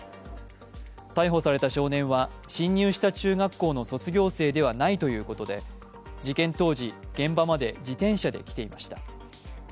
逮捕された少年は侵入した中学校の卒業生ではないということで事件当時、現場まで自転車で来ていました。